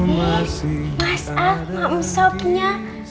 mas al mak masaknya